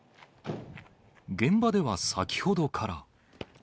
現場では先ほどから。